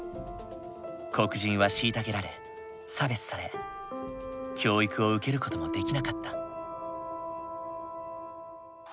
黒人は虐げられ差別され教育を受ける事もできなかった。